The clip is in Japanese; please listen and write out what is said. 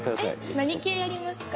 何系やりますか？